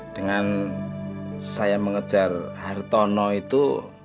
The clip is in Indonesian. dengan saya mengejar hartono itu